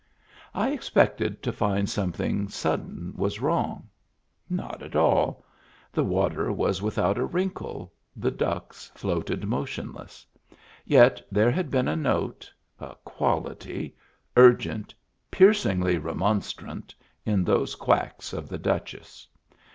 I expected to find something sudden was wrong. Not at all. The water was without a wrinkle, the ducks floated motionless : yet there had been a note, a quality, urgent, piercingly remonstrant, in those quacks of the Duchess.